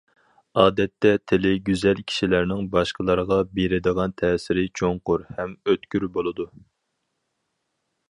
ئادەتتە تىلى گۈزەل كىشىلەرنىڭ باشقىلارغا بېرىدىغان تەسىرى چوڭقۇر ھەم ئۆتكۈر بولىدۇ.